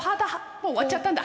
もう終わっちゃったんだ。